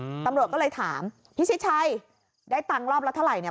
อืมตำรวจก็เลยถามพิชิตชัยได้ตังค์รอบละเท่าไหร่เนี้ย